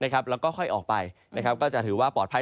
แล้วก็ค่อยออกไปก็จะถือว่าปลอดภัย